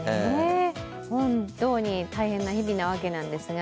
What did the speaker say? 本当に大変な日々なわけですが、